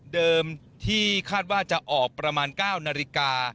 ที่คาดว่าจะออกประมาณ๙นาฬิกา